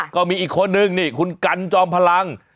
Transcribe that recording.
ก็มีอีกคนนึงนี่คุณกันจอมพลัง